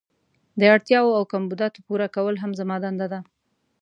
د اړتیاوو او کمبوداتو پوره کول هم زما دنده ده.